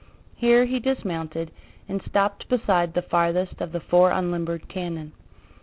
Here he dismounted, and stopped beside the farthest of the four unlimbered cannon.